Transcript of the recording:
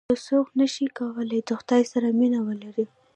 یو څوک نه شي کولای د خدای سره مینه ولري.